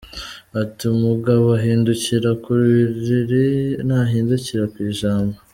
Ati “Umugabo ahindukira ku biriri ntahindukira ku ijambo”.